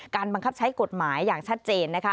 บังคับใช้กฎหมายอย่างชัดเจนนะคะ